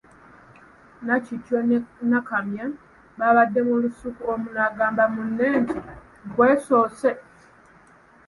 Nakityo ne Nakamya baabadde mu lusuku omu n'agamba munne nti ‘nkwesoose'.